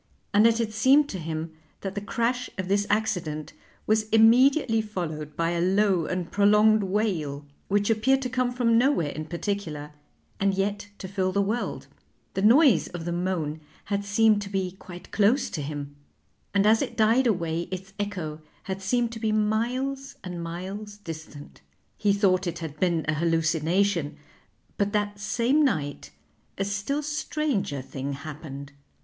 And it had seemed to him that the crash of this accident was immediately followed by a low and prolonged wail, which appeared to come from nowhere in particular and yet to fill the world; the noise of the moan had seemed to be quite close to him, and as it died away its echo had seemed to be miles and miles distant. He thought it had been a hallucination, but that same night a still stranger thing happened.